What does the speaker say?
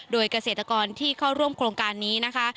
โดยเกษตรกรที่เข้าร่วมโครงการนี้นะคะ